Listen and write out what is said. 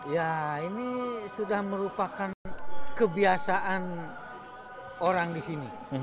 ya ini sudah merupakan kebiasaan orang di sini